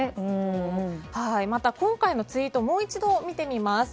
また、今回のツイートをもう一度見てみます。